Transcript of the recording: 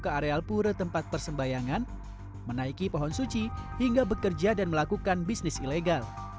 ke areal pura tempat persembayangan menaiki pohon suci hingga bekerja dan melakukan bisnis ilegal